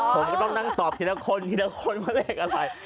ผมก็ต้องนั่งตอบทีละคนทีละคนว่าเลขอะไร